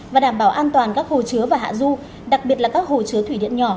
và đảm bảo an toàn các hồ chứa và hạ du đặc biệt là các hồ chứa thủy điện nhỏ